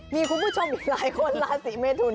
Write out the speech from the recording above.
มีคุณผู้ชมอีกหลายคนราศีเมทุน